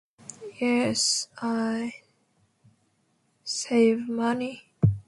Yes, I save money.